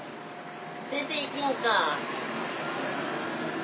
出ていきんか。